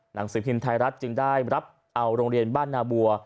หนังสือพิมพ์ไทยรัฐจึงได้รับเอาโรงเรียนบ้านนาบัว